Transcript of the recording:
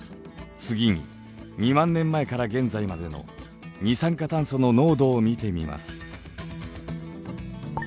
次に２万年前から現在までの二酸化炭素の濃度を見てみます。